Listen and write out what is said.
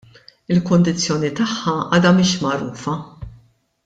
Il-kundizzjoni tagħha għadha mhix magħrufa.